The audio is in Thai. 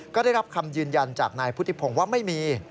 ก็ได้รับคำยืนยันจากนายพุทธิพงศ์ว่าไม่มี